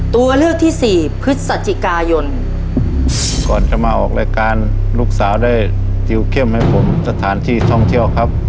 ตัวเลือกที่สี่พฤศจิกายนก่อนจะมาออกรายการลูกสาวได้จิลเข้มให้ผมสถานที่ท่องเที่ยวครับ